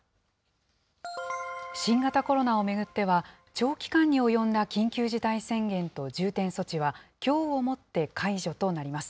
新型コロナを巡っては、長期間に及んだ緊急事態宣言と重点措置は、きょうをもって解除となります。